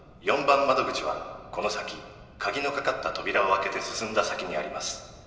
４番窓口はこの先鍵の掛かった扉を開けて進んだ先にあります。